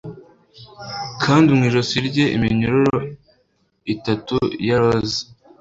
Kandi mu ijosi rye iminyururu itatu ya roza